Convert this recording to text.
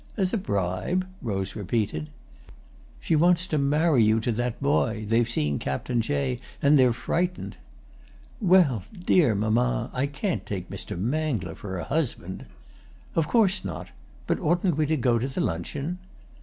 "As a bribe?" Rose repeated. "She wants to marry you to that boy; they've seen Captain Jay and they're frightened." "Well, dear mamma, I can't take Mr. Mangler for a husband." "Of course not. But oughtn't we to go to the luncheon?"